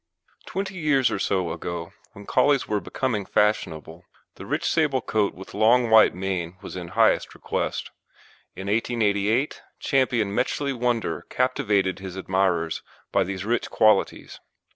Twenty years or so ago, when Collies were becoming fashionable, the rich sable coat with long white mane was in highest request. In 1888 Ch. Metchley Wonder captivated his admirers by these rich qualities.